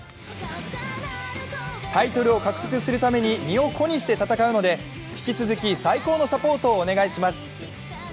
タイトルを獲得するために身を粉にして戦うので引き続き最高のサポートをお願いします。